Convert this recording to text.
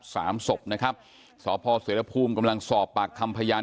สามศพนะครับสพเสรภูมิกำลังสอบปากคำพยาน